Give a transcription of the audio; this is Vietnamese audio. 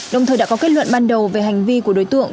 đồng thời đã có kết luận ban đầu về hành vi của đối tượng